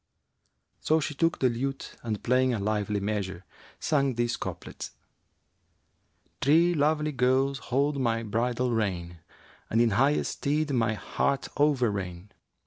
'[FN#366] So she took the lute and playing a lively measure, sang these couplets, 'Three lovely girls hold my bridle rein * And in highest stead my heart overreign.